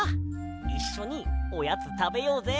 いっしょにおやつたべようぜ。